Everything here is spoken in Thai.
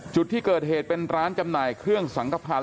จุดที่เกิดเหตุเป็นร้านจำหน่ายเครื่องสังขพันธ